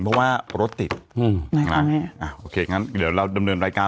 เพราะว่ารถติดอืมนะครับอ่ะโอเคงั้นเดี๋ยวเราดำเนินรายการ